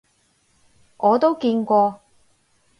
我都見過